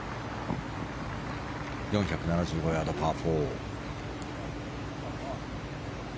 ４７５ヤード、パー４。